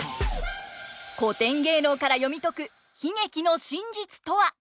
古典芸能から読み解く悲劇の真実とは。